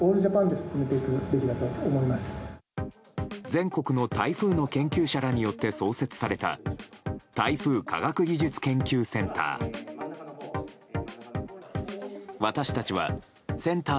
全国の台風の研究者らによって創設された台風科学技術研究センター。